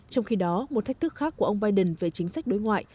trong khi đó một thách thức khác của ông biden về chính sách đối ngoại